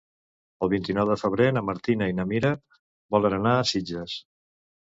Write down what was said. El vint-i-nou de febrer na Martina i na Mira volen anar a Sitges.